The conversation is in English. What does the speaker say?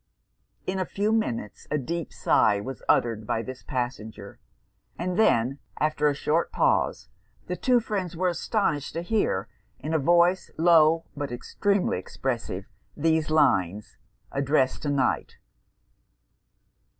In a few minutes a deep sigh was uttered by this passenger; and then, after a short pause, the two friends were astonished to hear, in a voice, low, but extremely expressive, these lines, addressed to Night.